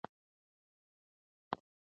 مور یې غواړي چې روزنې نوې لارې وکاروي.